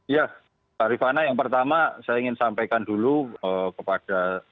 ya tarifana yang pertama saya ingin sampaikan dulu kepada